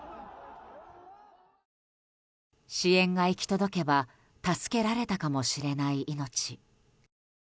支援が行き届けば助けられたかもしれない命。